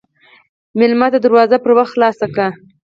مېلمه ته دروازه پر وخت خلاصه کړه.